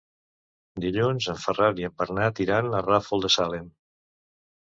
Dilluns en Ferran i en Bernat iran al Ràfol de Salem.